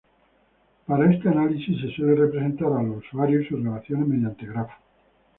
Para este análisis se suele representar a los usuarios y sus relaciones mediante grafos.